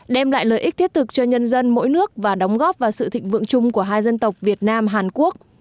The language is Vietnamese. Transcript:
đem lại lợi ích thiết thực cho nhân dân mỗi nước và đóng góp vào sự thịnh vượng chung của hai dân tộc việt nam hàn quốc